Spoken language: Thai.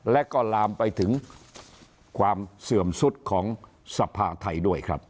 และก็ลามไปถึงความเสื่อมสุดของสภาไทยด้วยครับ